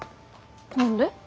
何で？